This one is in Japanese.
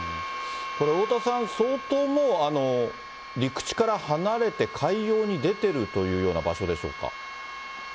これ大田さん、相当もう、陸地から離れて、海洋に出てるというような場所でしょうか。